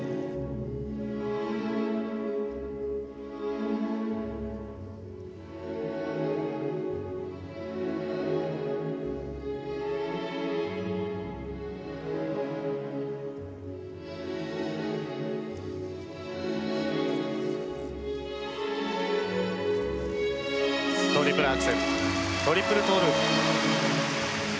トリプルアクセルトリプルトーループ。